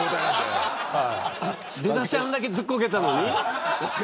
出だしあんだけずっこけたのに。